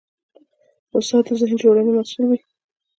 استاد د ذهن جوړونې مسوول وي.